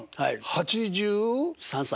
８３歳。